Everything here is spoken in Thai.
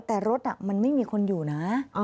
แต่รถมันไม่มีคนอยู่นะ